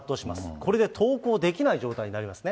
これで登校できない状態になりますね。